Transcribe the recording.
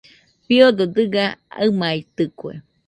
Fiodo dɨga aɨmaitɨkue.